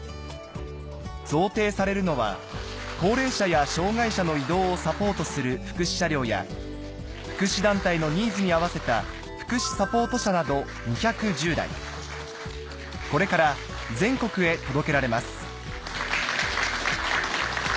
贈呈されるのは高齢者や障がい者の移動をサポートする福祉車両や福祉団体のニーズに合わせた福祉サポート車など２１０台これから全国へ届けられます